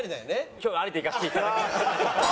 今日はありでいかせていただき。